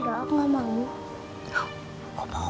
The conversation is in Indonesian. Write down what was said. enggak aku gak mau